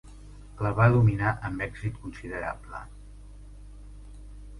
La va dominar amb èxit considerable.